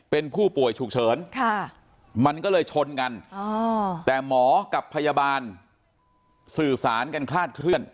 เป็นผู้ป่วยฉุกเฉินมันก็เลยชนกันแต่หมอกับพยาบาลสื่อสารกันคลาดเคลื่อน